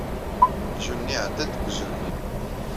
Aqjun-nni iɛedda-d deg uzrug.